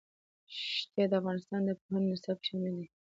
ښتې د افغانستان د پوهنې نصاب کې شامل دي.